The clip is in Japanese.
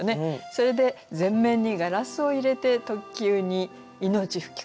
それで「前面にガラスを入れて特急に命吹き込む」